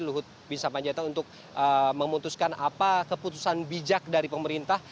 luhut bin sapanjaitan untuk memutuskan apa keputusan bijak dari pemerintah